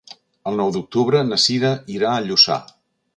El nou d'octubre na Cira irà a Lluçà.